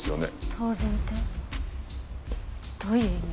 当然ってどういう意味？